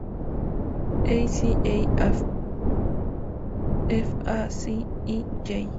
A-C-E= f-A-C-E-g.